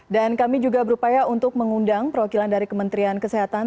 dan kami juga berupaya untuk mengundang perwakilan dari kementerian kesehatan